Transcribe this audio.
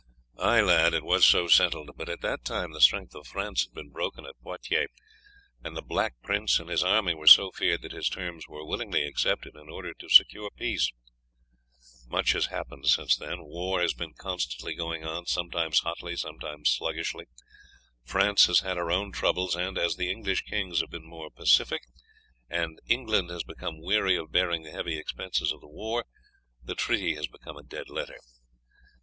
"Ay, lad, it was so settled; but at that time the strength of France had been broken at Poitiers, and the Black Prince and his army were so feared that his terms were willingly accepted in order to secure peace. Much has happened since then: war has been constantly going on, sometimes hotly, sometimes sluggishly; France has had her own troubles, and as the English kings have been more pacific, and England has become weary of bearing the heavy expenses of the war, the treaty has become a dead letter.